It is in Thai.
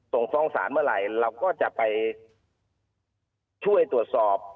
ส่งฟ้องศาลเมื่อไหร่เราก็จะไปช่วยตรวจสอบ